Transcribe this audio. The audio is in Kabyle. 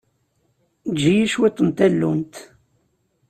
Eǧǧ-iyi cwiṭ n tallunt.